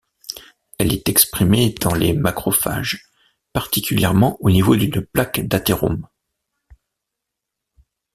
Elle est exprimée dans les macrophages, particulièrement au niveau d'une plaque d'athérome.